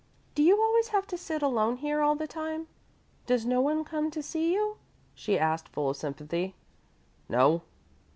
"Do you always have to sit alone here all the time? Does no one come to see you?" she asked, full of sympathy. "No."